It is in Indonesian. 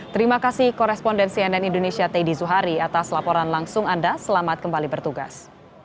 terima kasih koresponden cnn indonesia teh di zuhari atas laporan langsung anda selamat kembali bertugas